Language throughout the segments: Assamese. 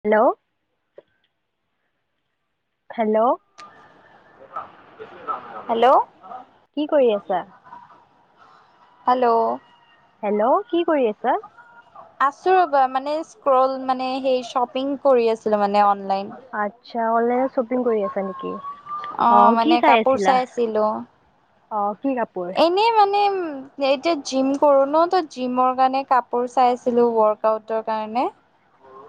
হেল্ল' হেল্ল' হেল্ল' হ কি কৰি আছা? হেল্ল' হেল্ল' কি কৰি আছা আছো ৰবা মানে মানে্বপিং কৰি মান আচ্ছা অনলাইনত শ্বপিং কৰি আছা নেকি [unintelligible] অ মানে কাপোৰ চাইছিলো অঁ এনেই মানে এতিয়া জিম কৰো ন ত জিমৰ কাৰণে কাপোৰ চাই আছিলো ৱৰ্ক আউটৰ কাৰণে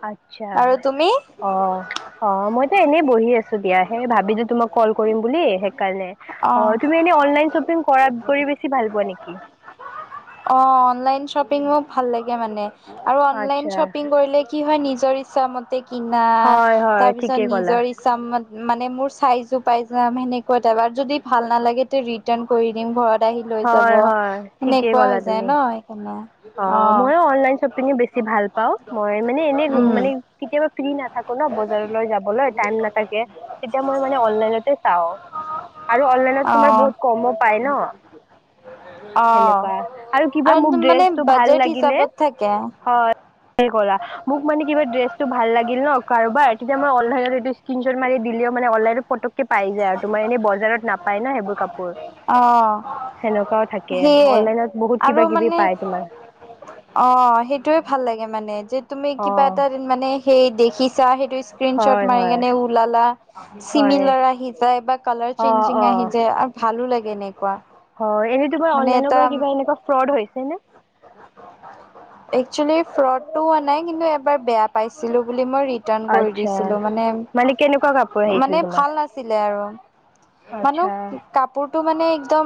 আ্ছা আৰু তুমি অ অ মই এ এনে বহি আছে। অ [unintelligible] শপিঙো ভাল লাগে মানে। আৰু অনলাইন আচ্ছা শ্বপিং কৰিলে কি হয় নিজ চৰিছা মতে। কিনা হয় হয় তাৰপিছত ঠিকেই ক'লা নিজৰ ইচ্ছাম মানে মোৰ চাইজো পাই যাম সেনেকুৱা এটা যদি ভাল নালাগে তে ৰিটাৰ্ন কৰি দিম ঘৰত দাহি লৈ যাব হয় হয় ঠিকেই সেনেকুৱা ক'লা হৈ যায় তুমি। ন সেইকাৰণে অ মই অনলাইন শ্বপিঙো বেছি ভাল পাও মই মানে এনে উম, মানে কেতিয়া থ বজাৰলৈ যাবলৈ নাথে তেতিয়া মই মলন চাওঁ আৰুলন তমাৰ অ', বহুত কমো পায় ন অ', সেনেকুৱা আৰু কিবা মোকে মানে [inaudible] লিল বাজেট হিচাপত থাকে ন কাৰবাৰ তেতিয়া মইলাহললে এইটো স্্ৰীন্বট মাৰি দিলে মানে অনলাই ফ পাই যায় আৰু তোমাৰ এনে বজাৰত নাপায় ন সেইবোৰ কাপোৰ অ', সেনেকুৱাও থাকে সেয়ে অনলাইনত বহুত আৰু কিবা কিবি মানে পায় তোমাৰ অ সেইটোয়ে ভাল লাগে মানে যে তুমি কিবা অ', এটা মানে স দেখি া সেইটো স্ক্ৰন শ্বট হয় মাৰি হয়, কেনে ওলালা চিমি হয়। লৰা আহি কাল আহ অ অ ভাল ভাল লাগে এনেকুৱা হয় এনেই তোমাৰ মানে অনলাইনৰ এটা পৰা কিবা এনেকুৱা ফ্ৰড হৈছে ছেনে একচুৱেলি পাইছিলোঁ বুলি মই ৰিটাৰণ কৰি আচ্ছা দিছিলো মানে কেনেকুৱা কাপোৰ আহিছিল মানে তোমাৰ? ভাল নাছিলে আৰু মানে আচ্ছা কাপোৰতটো মানে একদম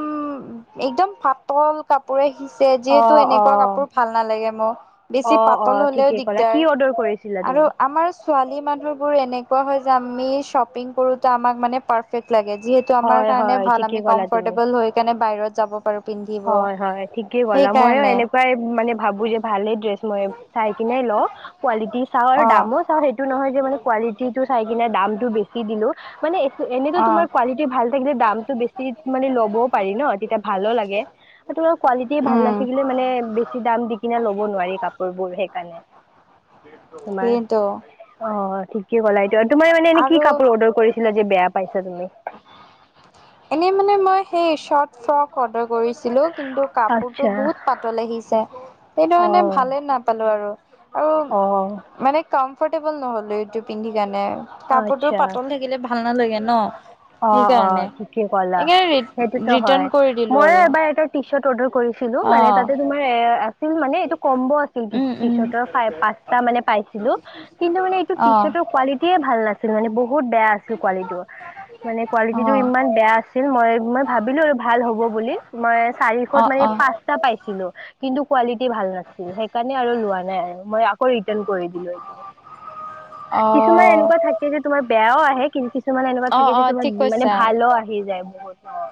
একদম পাতল কাপোৰে সিচ স অ জিত অ এনেকুৱা কাপোৰ ভাল নালাগে মোক বেছি অ অ পাতল হলেও ঠিকেই ক'লা দিগদাৰ কি অৰ্ডাৰ কৰিছিলা আৰু তুমি? আমাৰ ছোৱালী মানুহ বোৰ এনেক োৱা হয় যে আমি শ্বপিং কৰোতেো আমাক মানে পাৰে্ট লাগে যিহেতু আমাৰ হয় কাৰণে হয় ভাল ঠিকে আমি ক'লা তুমি। কমফৰ্টেবল হৈ কাৰে বাহিৰত যাব পাৰো পিন্ধিব। হয় হয় ঠিকেই গ'লা মইো সেইকাৰণে এনেকুৱাই মানে ভাবো যে ভালে ড্ৰেছ মই চাই কিিননে ল কোৱালিটি চাও আৰু অ', দামো চাও সেইটো নহয় যে মানে কালিটিটো চাই কিনে দামতটো বেছি দিলো মানে এনে তোমাৰ অ', কোৱালিটি ভাল থাকিলে দামতটো বেছি মানে ল'বও পাৰি ন তেতিয়া ভালো লাগে আৰু তোমাৰ কোৱালিটি ভাল ন উম, থাকে মানে বেছি দাম দি কিনে ল'ব নোৱাৰি কাপোৰ বোৰ সেইকাৰণে এইটোো কি কলা এইটো আৰু তোমাৰ মানে এনে কি কাপোৰ অৰ্ডাৰ কৰিছিলা যে বেয়া পাইছা তুমি এনেই মানে মই সেই শৰ্ট ফ্ৰক অৰ্ডাৰ কৰিছে। ছিলো কিন্তু কাপোৰতটো আচ্ছা বহুত পাতল আহিছে সেইটো অ কাৰণে ভালে নাপালো আৰু। আৰু অ মানে কম ফ্ৰটেবোল নহ'লে এইটো। পিন্ধি কিনে। কাপোৰতটো পাতল থাকিলে ভাল নালাগে। ন'। অ-অ সেইকাৰণে ঠিকেই কলা সেইকাৰণে সেইটোতো হয় ৰিটাৰ্ণ কৰি দিলোঁ মই আৰু এবাৰ এই পিছত অৰ্ডাৰ কৰিছিলো মানে অ' তাতে তোমাৰ এ আছিল মানে এইটো কম্ব আছিল উম টি উম চাৰ্টৰ পাঁচটা মানে পাইছিলো কিন্তু মানে এইটো টি অ' চাৰ্টৰ কোৱালিটি ভাল নাছিল মানে, বহুত বেয়া আছিল কোৱালিটিটো। মানে অ' কোৱালিটিটো ইমান অ' বেয়া আছিল মই মই ভাবিলো আৰু ভাল হ'ব বুলি মই চাৰিশত ম অ' পাস্তা পাইছিলো কিন্তু কোৱালিটি ভাল নাছিল সেইকাৰণে আৰু লোৱা নাই আৰু মই আকৌ ৰিতান কৰিছিল এতাও কিছুমান অ' এনেকুৱা থাকে যে তোমাৰ বেয়াও আহে কিন্তু মানে এনেকুৱা অ' থাকে যে অ' তোমাৰ ঠিক মানে কৈছা ভালো আহি যায়। বত অ [unintelligible]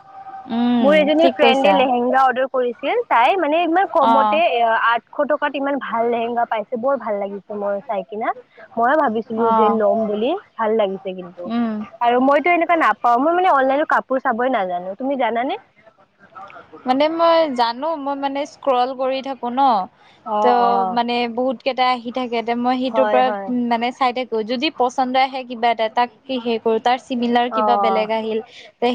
উম মোৰ এজনী ঠিক ফ্ৰেণ্ড কৈছা লেহেংগা অৰ্ডাৰ কৰিছিল। তাই মানে ইমান কমতে অ' এ আঠশ টকাত ইমান ভাল লহেংগা পাইছে বৰ ভাল লাগিছে, মই চাই কিনা মই ভাবিছিলো যে অ' ল'ম বুলি ভাল লাগিছে কিন্তু উম আৰু মইতো এনেকুৱা নাপাওঁ মোৰ। অনলাইন কাঁ পোৰ চাবই নাজানো তুমি জানানে? মানে মই জানো মই মানে স্ক্ৰল কৰি থাকো ন। অ ত অ মানে বহুত কেটা থাকে এতি মই সিটোৰ হয় হয় পৰাৰত মানে চাই থাক। যদি পচন্দ আহে কিবা এটা তাক কি সে কৰ তাৰ চিমিলাৰ অ কিবা বেলেগ আহিল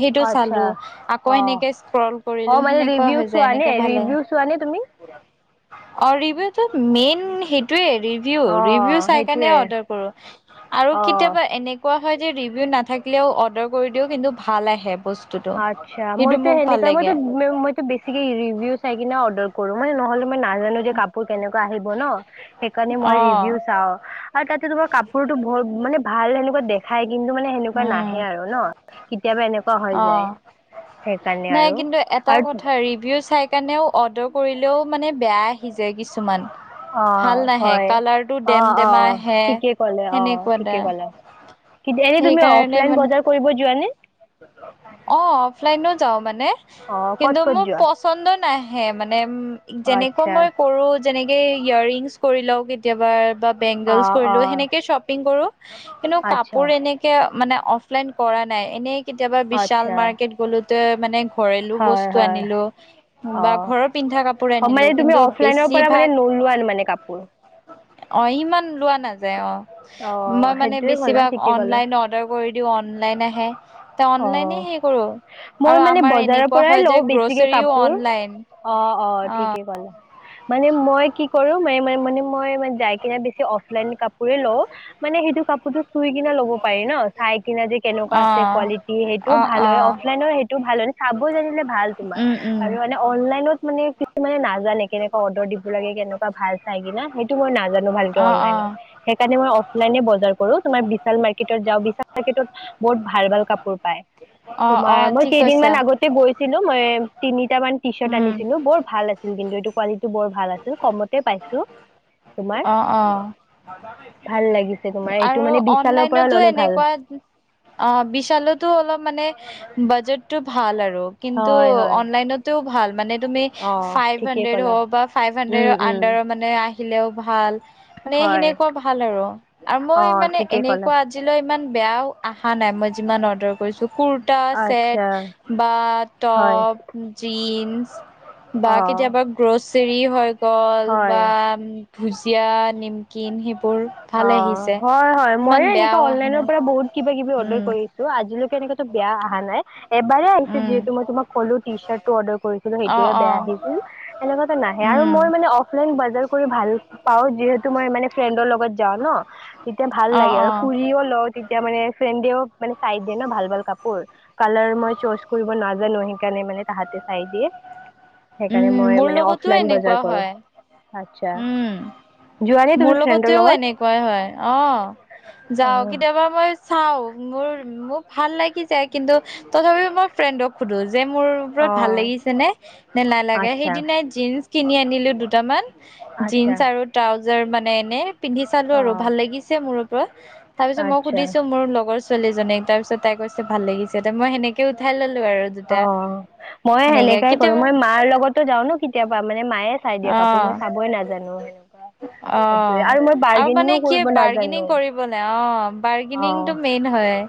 সেইটো। আচ্ছা আকৌ অ এনেকে ষ্কল অ কৰিলো মানে সেনেকুৱা ৰিভিউ হৈ যায় চোৱা নে এনেকে ভালে। ৰিভিউ চোৱা নে তুমি অ ৰিভিও তো মেইন সেইটোৱে। অ ৰিভিউ-ৰিভিউ চাইকেনে সেইটোয়ে অৰ্ডাৰ কৰো আৰু অ', কেতিয়াবা এনেকুৱা হয় যে ৰিভিউ নাথাকিলেও অৰ্ডাৰ কৰি দিও কিন্তু ভাল আহে বস্তু। [unintelligible] মই নাজানো যে কাপোৰ কেনেকুৱা আহিব। হ ন সেইকাৰণে মই অ ৰিভিউ চাওঁ আৰু তাতে তোমাৰ কাপোৰতো বৰ মানে ভাল সেনেকুৱা দেখ কিন্তু মানে সেনেকুৱা উম নাহে আৰু ন কেতিয়াবা এনেকুৱা হৈ যায় অ', সেইকাৰণে নাই আৰু কিন্তু এটা আৰু কথা ৰিভিউ চাই। সেইকাৰণেও অৰ্ডাৰ কৰিলেও মানে বেয়া আহি যায় কিছুমান অ ভাল নাহে হয় কালাৰটো অ ডেম অ অ ডেমা আহে। ঠিকে কলে অ ঠিকে কলে এনে তুমি কাৰ অফলাইন বজাৰ কৰিব যোৱা নে অ অফলাইনো যাওঁ মানে অ', ক'ত কিন্তু ক'ত মোৰ যোৱা পচন্দৰ নাহে মানে উ যেনেকুৱা আচ্ছা মই কৰো যেনেকে ইয়োৰ ৰিংছ কৰি লও কেতিয়াবা বা বেংগলছ অ', কৰিলো অ', সেনেকে শ্বপিং কৰো কিন্তু আচ্ছা কাপোৰ এনেকে মানে অফলাইন কৰা নাই এনেই কেতিয়াবা বিশাল আচ্ছা মাৰ্কেট গ'লো। ত মানে ঘৰেলো হয় বস্তু হয় আনিলো অ বা ঘৰৰ পিন্ধা কাপোৰে অ মানে আনিলো তুমি কিন্তু অফলাইনৰ পৰা মানে বেছিভাগ নোলোৱা মানে কাপোৰ অ ইমান লোৱা নাযায় অ অ মই মানে সেইটোয়ে ক'লা বেছিভাগ ঠিকে ক'লা অনলাইন কৰি দিওঁ অনলাইন আহেৰ। এ অনলাইনে অ হেই কৰো মই আৰু মানে আমাৰ বজাৰৰ এনেকুৱা পৰাই হয় যে লওঁ বেছিকে গ্ৰচাৰীও কাপোৰ। অনলাইন অ ঠিকেই গলা। মানে মই কি কৰো ম ম মই যাই কিনে বেছি অফলাইন কাপোৰে লও মানে সেইটো কাপোৰতটো চুই কি লব পাৰি ন চাই না যে কেনেকুৱা আছে। কোৱালিটি সেইটো অ অ ভাল অ হয় অফলাইনৰ সেইটো ভাল হয় চাব জানিলে ভাল তুমাৰ উম উম আৰু মানে অনলাইনত মানে কিছু ন। কেনেুৱা অৰ্ডাৰ দিব লাগে কেনেকুৱা ভাল চাই কিা সেইটো মই নাজানো। ভাল কে অ অ কৰিব সেইকাৰনে মই অনলাইনত নে বজাৰ কৰো তোাৰ বিশাল মাৰ্কেটত যাও বিশ ম্কেটত বহত ভাল অ অ তোমাৰ মই ঠিক কৈছা কেইদিনমানান আগতে গৈছিলো মই তিনি কটামান টি চাৰ্ উম আনিছিলো বৰ ভাল আছিল কিন্তু ভ অ অ ভাল লাগিছে তোমাৰ এইটো আৰু মানে বিশালৰ পৰা অনলাইনতো ললে ভাল এনেকুৱা অ বিশালত অলপ মানে বাজেট টো ভাল আৰু কিন্তু হয় হয় অনলাইনতেও ভাল মানে তুমি অ ফাইভ ঠিকেই হাড্ৰেড হ ক'লা বা ফাইভ হাানড্ৰেডৰ উম, আডাৰৰ মানে আহ খিলও ভাল মানে হয় সেনেকুৱা ভাল আৰু আৰু অ মই মানে ঠিকেই ক'লা এনেকুৱা আজিলৈ ইমান বেয়াও অহা নাই মই যিমান অৰ্ডাৰ কৰিছো কুৰ্তা চেট আচ্ছা বা হয় টপ জন্স বি বা অ কেতিয়াবা গ্ৰ'ছ চৰি হয় কল বা হয় ভুজিয়া নিমকিন সি অ হয় হয় মইে এনে বেয়াও আহা অনলাইনৰ নাই পৰা বহুত কিবা কিবি অৰ্ডাৰ উম। কৰিছো আজ এনেকাতো বেয়া অহা নাই এবাৰ আহিছে উম যিহেতু মই তোমাক কলো টি চাৰ টো অৰ্ডাৰ কৰিছিলো অ সেইটোয়ে অ বেয়া আহিছিলক নাহে আৰু উম মই মানে অফলাইন বাৰ কৰি ভাল পাও যিহেতু মই মানে ফ্ৰেডৰ লগত য ন তেতিয়া ভাল অ লাগে অ আৰু ফুৰিও লওঁ মে ফ্ৰেডেও মে চাই দিয়ে ন ভাল ভাল কাপোৰ কালাৰ মই চজ কৰিব নাজানো সেইকাৰণে মানে তাহতে চাই দিয়ে উম মোৰ লগতো এনেকুৱা হয় উম ি লগত কাই হয় অ যাও কেতিয়াবা মই চাও মোৰ মোক ভাল লাগি য কিন্তু তথাপিও মই ফ্ৰেণ্ডক সোধোো যে মোৰ ওপৰত ভাল অ অ লাগিছে নে ন লাগে আচ্ছা সেইদিিনাই জিন জ কিনি আনিলো দুটামান আচ্ছা জন্স আৰু ট্ৰাউজ জাৰ মানে এনে- পিন্ধি চালো আৰু অঁ ভাল লাগিছে মোৰো তাৰ পিছত মই আচ্ছা সুধিছো মোৰ লগৰ ছোৱালীজনীক তাৰ পিত তাই কৈছে ভাল লাগিছে ত মই সেনে- কে উঠাই ললো আৰু জোতা অঁ মই সেনেকে সেনেকাই কৰোঁ কেতিয়াবা মই মাৰ লগতো যাও ন কেতিয়াবা মানে মায়ে চাই দিয়ে কাপোৰ অ', মই চাবই নাজানো সেনেকুৱা সেইটোয়ে অ'। আৰু মই মানে বাৰ্গেনিংয়ো কি কৰিব বাৰ্গেনিং নাজানো। কৰিবলে অ', অঁ বাৰ্গেনিংটো মেইন হয়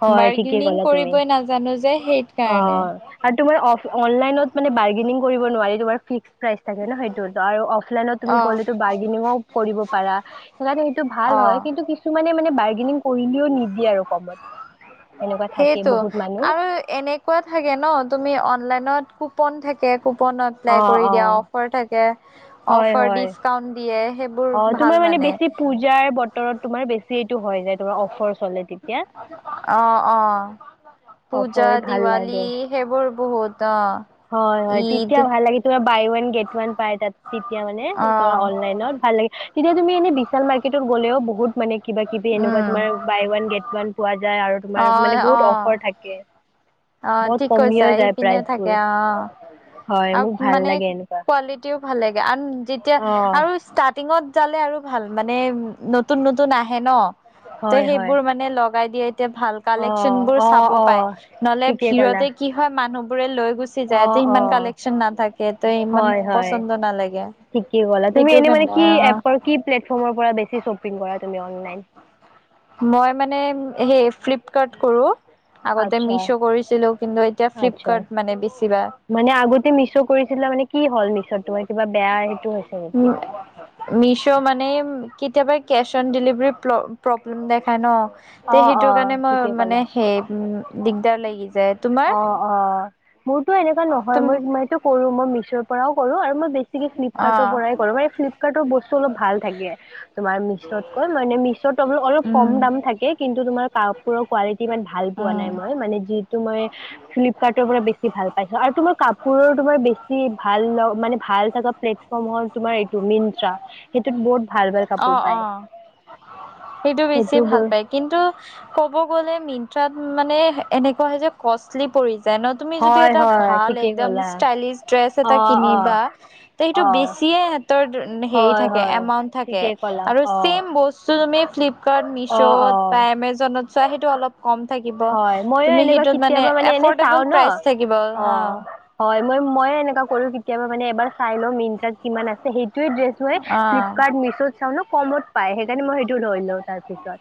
হয় ঠিকে বাৰ্গেনিং কলা তুমি কৰিবই নাজানো যে অ সেইকাৰণে আৰু তোমাৰ অফ অনলাইনত মানে বা- ৰ্গেনিং কৰিব নোৱাৰিলো বাৰু ফিক্স প্ৰাইজ থাকে ন সেইটোত আৰু অফ অলাইনত তুমি অ', গ'লে বাৰ্গেনিও কৰিব পাৰা সেইকাৰণে সেইটো ভাল অ'। হয় কিন্তু কিছুমানে মানে বাৰ্গেনিং কৰিলও নিদ- দিয়ে আৰু কামত সেইটো আৰু এনেকুৱা থাকে ন তুমি অনলাইনত কুপন থাকে কুপন এপ্লাই অঁ কৰি দিয়া অঁ অফাৰ থাকে হয় অফাৰ হয় ডিচকাউন্ট দিয়ে সেইবোৰ অ তোমাৰ ভাল মানে তো হৈ যায় অফাৰ চলে তেতিয়া অ', অ'। পূজা অফাৰত ভাল লাগে। দিৱালী সেইবোৰ বহুত অ', হয় হয় ঈদ তেতিয়া ভাল ভাল লাগে বাই ওৱান গেট ওৱান পাই তাত তেতিয়া মানে অ', অনলাইনত ভাল লাগে তেতিয়া তুমি এনেই বিশাল মাৰ্কেতত গলেও বহুত মানে কিবা কিবি এনেকুৱা উম। তোমাৰ বাই ওৱান গেট ওৱান পোৱা যায় আৰু তোমাৰ মানে অ', বহুত অ', অফাৰ থাকে অ', ঠিক বহুত কৈছা কমিয়ো যায় ইপিনেও প্ৰাইচবোৰ থাকে অ হয় মোক আৰু ভাল মানে লাগে এনেকুৱা কোৱালিটিও ভাল লাগে আন যেতিয়া অ আৰু ষ্টাৰ্টিঙত চালে আৰু ভাল মানে নতুন নতুন আহে ন ত হয় হয় সেইবোৰ মানে লগাই দিয়ে এতিয়া ভাল অ কালেকচন বোৰ অ চাব অ পায় ললে ঠিকে ক'লা ভিৰতে কি হয় মানুহবোৰে লৈ গুচি অ যায় কালেকচন ৰাতি সিমান অ কালেকচন নাথাকে ত ইমান হয় হয় পচন্দ নালাগে ঠিকেই ক'লা তুমি সেইটো এনে মানে কাৰণে কি অ এপৰ কি প্লেটফৰ্মৰ পৰা বেছি শ্বপিং কৰা তুমি অনলাইন মই মানে সেই - ফ্লিপকাৰ্ট কৰোঁ আচ্ছা মিছো কৰিছিলোঁ কিন্তু এতিয়া আচ্ছা ফ্লিপকাৰ্ট মানে বেছিভাগ মানে আগতে মিছো কৰিছিলে মানে কি হল মিছত তোমাৰ কিবা বেয়া সেইটো হৈছে নেকি মিছ' মানে কেতিয়াবা কেছ অন ডেলিভাৰী প্ৰব্লেম দেখায় ন তে অ সেইটো অ কাৰণে মই ঠিকে মানে ক'লা সেই উ অ অ মোৰতটো এনেকুৱা নহয় তুম মইটো কৰো মই মিছৰ পৰাও কৰো আৰু মই বেছি অ ফ্লিপকাৰ্টৰ পৰাই কৰো ম ফ্লিপকাৰ্টৰ বস্তু অলপ ভাল থাকে তোমাৰ মিছত কৈ মানে মিছ ত অলপ অলপ কম উম দাম থাকে তোমাৰ কাপৰোৱালি ইমান ভাল পোৱা নাই উম মই মানে যি ফ্লিপকাৰ্টৰ পৰা বেছি ভাল পাইছো আৰু তুমাৰ কাপোৰৰ তোমাৰ বেছি ভাল মানে ভাল থ প্লেটফৰ্ম হল তোমাৰ এইটো মট্ৰা সেইটোত বহুত ভাল ভাল অ কাপোৰ অ। পায় সেইটো বেছি ভাল পায় কিন্তু ক'ব গ'লে মিন্ত্ৰাত মানে এনেকুৱা হয় যে কষ্টলি পৰি যে তুমি যদি হয় এটা হয় ভাল ঠিকেই একদম ক'লা াইলিছ ড্ৰেছ এটা অ', অ', কিনিবা তে সেইটো অ'। বেছিয় সহতৰ হে হয় থাকে হয় এমাউট থাকে ঠিকেই ক'লা আৰু অ চছেম বস্তু তুমি ফ্লিপকাৰ্ট অ মিছত অ বা এমেজনত চোৱা সেইটো অলপ কম [inaudible] হয় ময়ো এনেকুৱা কেতিয়াবা মানে এনে চাও ন অ হয় মই মইয়ে এনেককা কৰো কেতিয়াবা মান এবাৰ চাই ল'ম ইণ্ট্ৰ কিমান আছে সেই ড্ৰেছ অ ফ্লিপকাৰ্টিছো চও ন কমত পাই সেইকাৰণে মই সেইটো ৰই লো তাৰ পিছত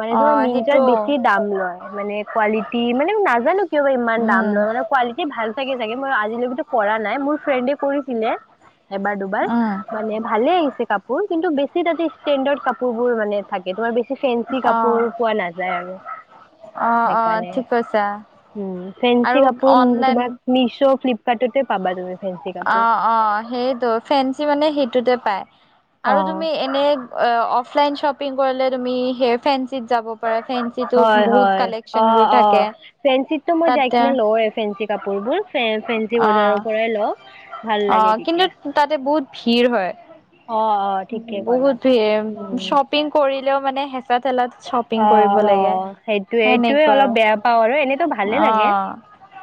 মানে অ তোমাৰ মিনজত সেইটো বেছি দাম লয় এক কোৱালিটি মানে নাজানো কিয়বা ইমান দাম উম লৰ-লেও কোৱালিটি ভাল চাগে-চাগে মই আজিলৈকেটো কৰা নাই মোৰ ফ্ৰেণ্ডে কৰিছিলে এবাৰ-দুবাৰ, উম মানে ভালে আহিছে কাপোৰ কিন্তু বেছি তাতে ষ্টেণ্ডাৰ্ড কাপোৰবোৰ মানে থাকে তোমাৰ বেছ ছি ফেঞ্চি কাপোৰ পোৱা নাযায় আৰু অ-অ সেইকাৰণে ঠিক কৈছা। উম, ফেঞ্চি আৰু কাপোৰ অনলাইন মো-তোমাক মিছৌ ফ্লিপকাৰ্ট-ততে পাবা তুমি ফেঞ্চি কাপোৰ। আ্য-অ সেইটো, ফেঞ্চি মানে সেইটোতে পাই আৰু তুমি এনেগ য়্যঅ-অফলাইন চপিং কৰলেট তুমি স্যেৰ ফেঞ্চ হয়-হয়, কালেকচন বোৰ অ-অ, থাকে। ফেঞ্চিততো মই যাই তাতে কিনে লওঁয়ে ফেঞ্চি কাপোৰবোৰ ফেন-ফেঞ্চি অ', বজাৰৰ পৰাই ল অ কিন্তু, তাতে বয়োত, ফিৰ হয় অ', অ', ঠিকে ক'লা। বহুত ভি এম উম, শ্বপিং কৰি লেও মানে হেঁচা-থেলাত অ-অ সেইটোয়ে-এইটোয়ে সেনেকুৱা অলপ আৰু বেয়া পাও আৰু এনেতো ভালে লাগে, অ',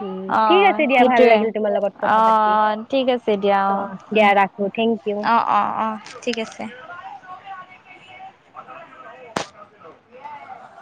উম, ঠিক অ', আছে দিয়া ভাল লাগিল তোমাৰ লগত কথা পাতি আন ঠিক আছে দিয়া অ, দিয়া উম, ৰাখো, থেংক ইউ। অ-অ-অ, ঠিক আছে। [unintelligible]